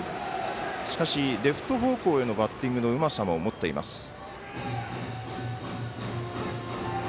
しかし、レフト方向へのバッティングのうまさも持っています。